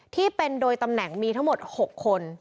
ที่เป็นโดยตำแหน่งมีทั้งหมด๖คน